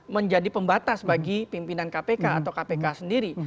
menjadi pembatas bagi pimpinan kpk atau kpk sendiri